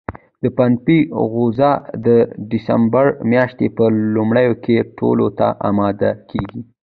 د پنبې غوزه د سپټمبر میاشتې په لومړیو کې ټولولو ته اماده کېږي.